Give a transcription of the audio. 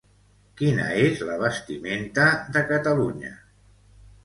Quina és la vestimenta de Catalunya?